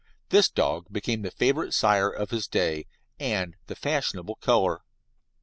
This dog became the favourite sire of his day and the fashionable colour.